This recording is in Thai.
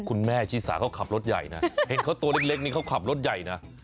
คุณแม่ชิสาเขาขับรถใหญ่นะเห็นเขาตัวเล็กนี่เขาขับรถใหญ่นะ